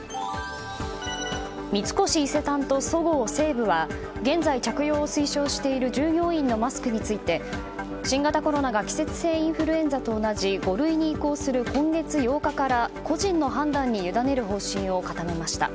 三越伊勢丹とそごう西武は現在、着用を推奨している従業員のマスクについて新型コロナが季節性インフルエンザと同じ５類に移行する今月８日から個人の判断に委ねる方針を固めました。